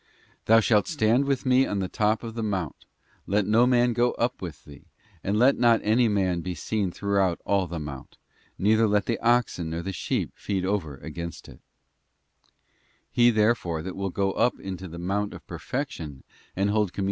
'Thou shalt stand with Me on the top of the mount. Let no man go up with thee, and let not any man be seen throughout all the mount: neither let the oxen nor the sheep feed over against it'* He, therefore, that will go up into the mount of perfection and hold communion with God, * Ex. xxxiy. 2, 3.